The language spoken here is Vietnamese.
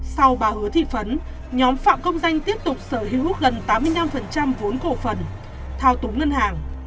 sau bà hứa thị phấn nhóm phạm công danh tiếp tục sở hữu gần tám mươi năm vốn cổ phần thao túng ngân hàng